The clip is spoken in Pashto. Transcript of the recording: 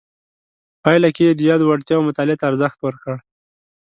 پایله کې یې د یادو وړتیاو مطالعې ته ارزښت ورکړ.